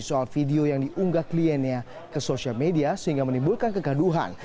soal video yang diunggah kliennya ke sosial media sehingga menimbulkan kegaduhan